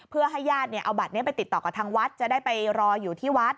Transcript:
เพื่อให้ญาติเอาบัตรนี้ไปติดต่อกับทางวัดจะได้ไปรออยู่ที่วัด